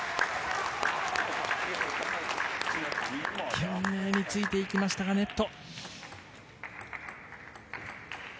懸命についていきましたがネット。